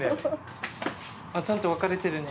ちゃんと分かれてるんだ。